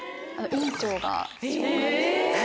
院長が。え！